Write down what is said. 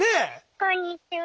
こんにちは。